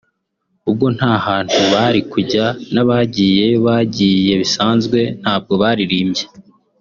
ubwo nta hantu bari kujya n’abagiyeyo bagiye bisanzwe ntabwo baririmbye